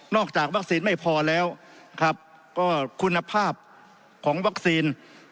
จากวัคซีนไม่พอแล้วครับก็คุณภาพของวัคซีน